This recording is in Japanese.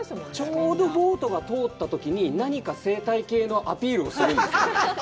ちょうどボートが通ったときに何か生態系のアピールをするんですよ。